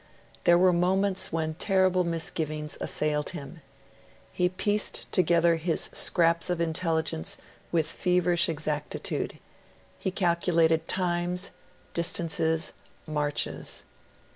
There were moments when terrible misgivings assailed him. He pieced together his scraps of intelligence with feverish exactitude; he calculated times, distances, marches.